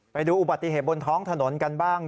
ไปดูอุบัติเหตุบนท้องถนนกันบ้าง